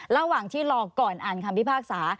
ระหว่างที่รอก่อนอ่านคำพิพากษา